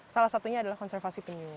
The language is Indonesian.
salah satunya adalah konservasi penyu